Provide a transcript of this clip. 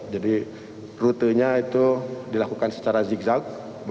jadi rutenya itu dilakukan secara zigzag